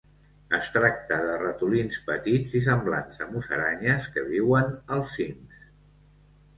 Es tracta de ratolins petits i semblants a musaranyes que viuen als cims.